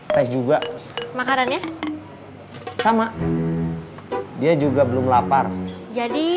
teh juga makanannya sama dia juga belum lapar jadi teh aja dua ya